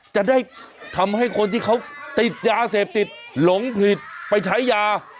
จะได้ทำให้คนที่เขาติดยาเสพติดหลงผิดไปใช้ยา